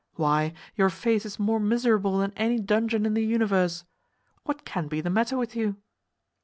Why, your face is more miserable than any dungeon in the universe. What can be the matter with you?"